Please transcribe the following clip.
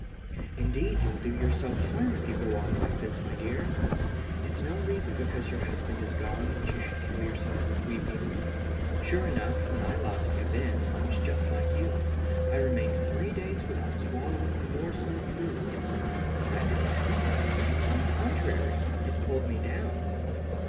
"Indeed, you'll do yourself harm if you goon like this, my dear. It's no reason because your husband is gone that you should kill yourself with weeping. Sure enough, when I lost Gabin I was just like you. I remained three >days without swallowing a morsel of food. But that didn't help me — on the contrary, it pulled me down.